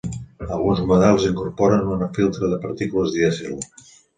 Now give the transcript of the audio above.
Alguns models incorporen un filtre de partícules dièsel.